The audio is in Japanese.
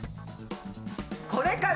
これかな？